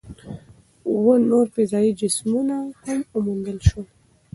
اووه نور فضايي جسمونه هم وموندل شول.